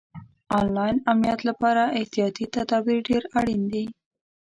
آنلاین امنیت لپاره احتیاطي تدابیر ډېر اړین دي.